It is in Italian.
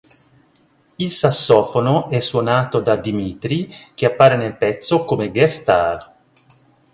Il sassofono è suonato da Dimitri che appare nel pezzo come guest star.